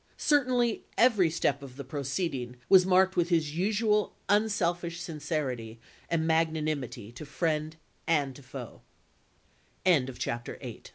Certainly every step of the proceeding was marked with his usnal unselfish sincerity and magnanimity to friend and to